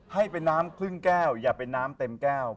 ให้เป็นน้ำครึ่งแก้วอย่าเป็นน้ำเต็มแก้ว